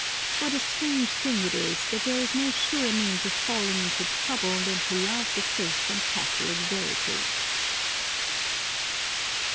,.. What a strange thing it is, that there is no surer means of falling tion trouble than to love the faith and Catholic verity."